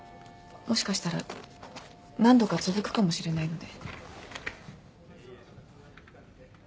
もしかしたら何度か続くかもしれないので。